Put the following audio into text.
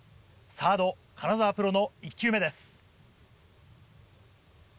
サード金澤プロの１球目です。